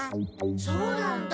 そうなんだ。